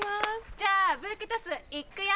じゃあブーケトスいっくよ！